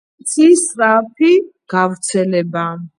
ცის სწრაფი გავრცელება